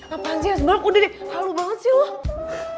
apaan sih esbok udah deh halu banget sih lo